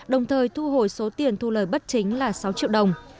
đồng thời thu hồi số tiền thu lời bất chính là sáu triệu đồng